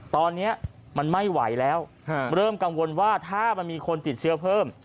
ตอนนี้มันไม่ไหวแล้วเริ่มกังวลว่าถ้ามันมีคนติดเชื้อเพิ่ม